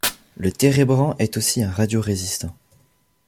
Le térébrant est aussi un radiorésistant.